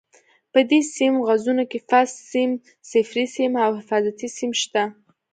په دې سیم غځونه کې فاز سیم، صفري سیم او حفاظتي سیم شته.